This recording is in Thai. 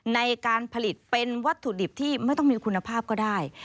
ในการผลิตเป็นวัตถุดิบที่ไม่ต้องมีคุณภาพก็ได้